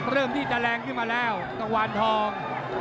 เริ่มที่จะแรงขึ้นมาแล้วกังวานทอง